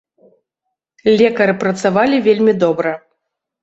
Лекары працавалі вельмі добра.